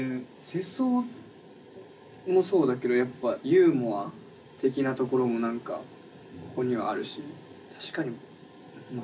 世相もそうだけどやっぱユーモア的なところも何かここにはあるし。